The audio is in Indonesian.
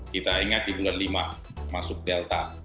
kita ingat di bulan lima masuk delta